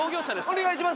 お願いします。